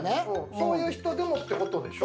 そういう人でもってことでしょ。